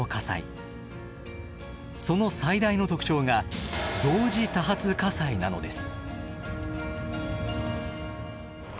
その最大の特徴が同時多発火災なのです。